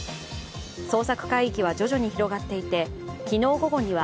捜索海域は徐々に広がっていて昨日午後には